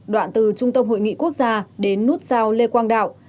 đoạn từ trung tâm hội nghị quốc gia đến nút giao lê quang đạo